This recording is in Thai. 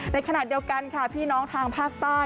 ในขณะเดียวกันค่ะพี่น้องทางภาคใต้